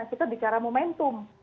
kita bicara momentum